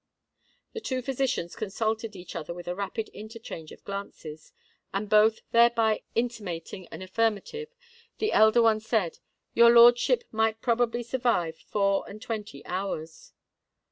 The two physicians consulted each other with a rapid interchange of glances; and both thereby intimating an affirmative, the elder one said, "Your lordship might probably survive four and twenty hours."